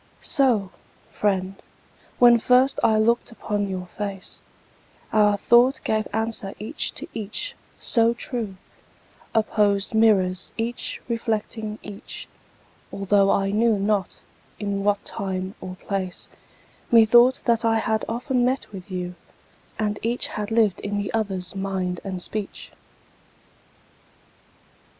So, friend, when first I look'd upon your face, Our thought gave answer each to each, so true— Opposed mirrors each reflecting each— Altho' I knew not in what time or place, Methought that I had often met with you, And each had lived in the other's mind and speech.